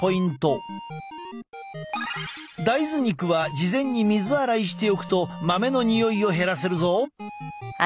大豆肉は事前に水洗いしておくと豆のにおいを減らせるぞ。